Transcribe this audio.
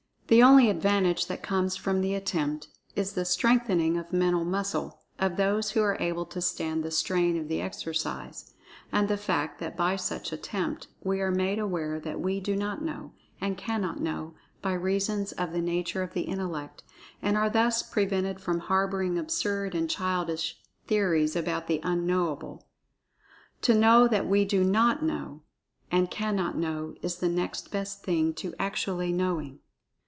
The only advantage that comes from the attempt is the strengthening of mental muscle of those who are able to stand the strain of the exercise; and the fact that by such attempt we are made aware that we do not know, and cannot know, by reasons of the nature of the Intellect, and are thus prevented from harboring absurd and childish theories about the Unknowable. To know that we do not know, and cannot know, is the next best thing to actually knowing.